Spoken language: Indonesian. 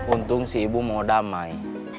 untung si ibu mau damai